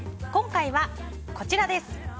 今回はこちらです。